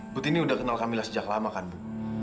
butini udah kenal kamila sejak lama kan bu